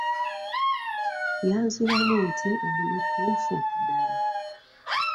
Yanziramu nti oli mutuufu ddala.